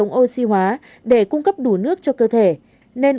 giữ nước cho cơ thể